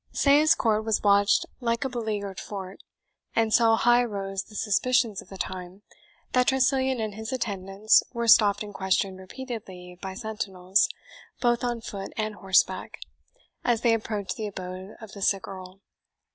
Sayes Court was watched like a beleaguered fort; and so high rose the suspicions of the time, that Tressilian and his attendants were stopped and questioned repeatedly by sentinels, both on foot and horseback, as they approached the abode of the sick Earl.